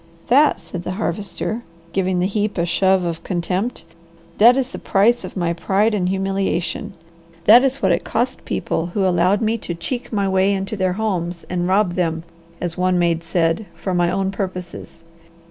"That," said the Harvester, giving the heap a shove of contempt, "that is the price of my pride and humiliation. That is what it cost people who allowed me to cheek my way into their homes and rob them, as one maid said, for my own purposes.